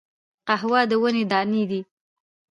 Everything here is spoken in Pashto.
قهوه د ونې دانی دي